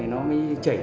nó mới chảy